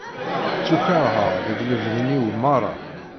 Ttuqerḥeɣ deg lebden-iw merra.